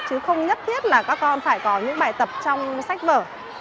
chứ không nhất thiết là các con phải có những bài tập trong sách vở